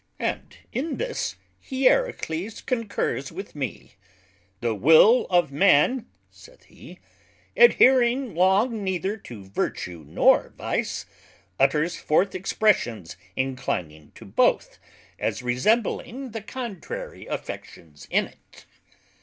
And in this Hierocles concurrs with me; The Will of man (saith he) _adhering long neither to Virtue nor Vice, utters forth expressions inclining to both, as resembling the contrary affections in it_.